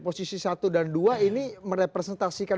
posisi satu dan dua ini merepresentasikan